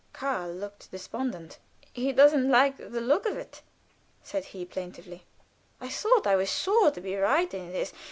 Karl looked despondent. "He doesn't like the look of it," said he, plaintively. "I thought I was sure to be right in this.